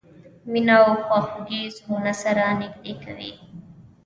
مینه او خواخوږي زړونه سره نږدې کوي.